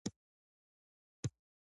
انعطاف منونکي اوسئ.